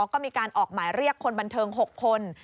ก็มีการออกหมายเรียกคนบันเทิง๖คน